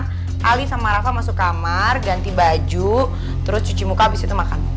ali sama rafa masuk kamar ganti baju terus cuci muka abis itu makan